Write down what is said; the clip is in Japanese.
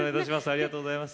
ありがとうございます。